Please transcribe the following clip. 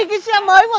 trời ơi tầng mất dậy kia